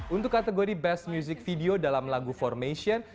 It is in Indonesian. untuk kategori best music video dalam lagu formation